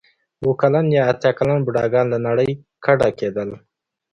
اوه کلن یا اتیا کلن بوډاګان له نړۍ کډه کېدل.